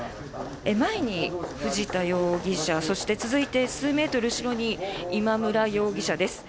前に藤田容疑者そして続いて、数メートル後ろに今村容疑者です。